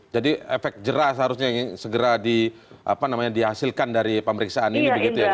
jadi efek jeras harusnya yang segera dihasilkan dari pemeriksaan ini begitu ya grace